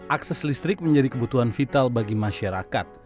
akses listrik menjadi kebutuhan vital bagi masyarakat